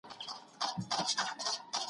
املا ارزښتمن عنصر دی.